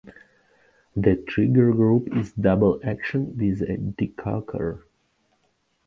The trigger group is double-action with a decocker.